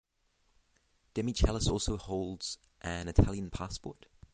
Demichelis also holds an Italian passport.